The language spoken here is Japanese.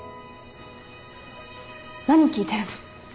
何聴いてるの？